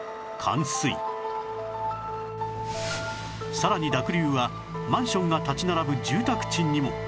さらに濁流はマンションが立ち並ぶ住宅地にも